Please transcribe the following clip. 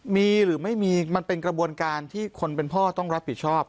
มีหรือไม่มีมันเป็นกระบวนการที่คนเป็นพ่อต้องรับผิดชอบ